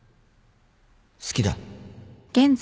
好きだ